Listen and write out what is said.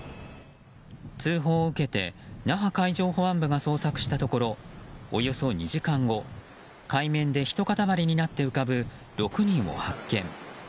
通報を受けて那覇海上保安部が捜索したところおよそ２時間後、海面でひと塊になって浮かぶ６人を発見。